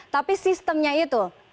tapi sistemnya itu